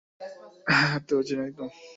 হাঁটতে পারছি না একদমই।